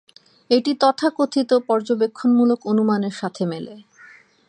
এটি তথাকথিত পর্যবেক্ষণমূলক অনুমানের সাথে মেলে।